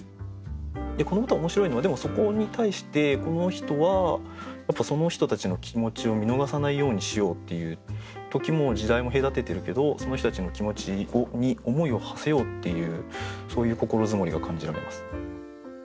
でこの歌面白いのはでもそこに対してこの人はやっぱりその人たちの気持ちを見逃さないようにしようっていう時も時代も隔ててるけどその人たちの気持ちに思いをはせようっていうそういう心積もりが感じられます。